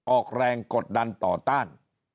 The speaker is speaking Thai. ออกแรงกดดันต่อต้าน